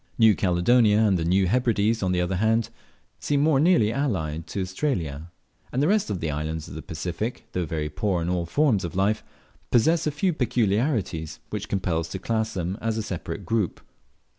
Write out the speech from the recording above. New Caledonia and the New Hebrides, on the other hand, seem more nearly allied to Australia; and the rest of the islands of the Pacific, though very poor in all forms of life, possess a few peculiarities which compel us to class them as a separate group.